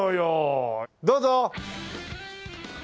どうぞ！